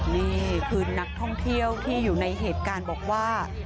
นี่คือนักท่องเที่ยวที่อยู่ในเหตุการณ์บอกว่า